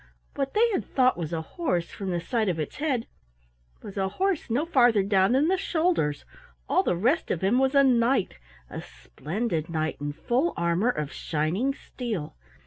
What they had thought was a horse from the sight of its head, was a horse no farther down than the shoulders, all the rest of him was a Knight, a splendid knight in full armor of shining steel.